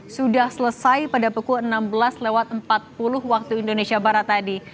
sudah selesai pada pukul enam belas empat puluh waktu indonesia barat tadi